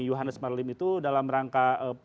johannes marlem itu dalam rangka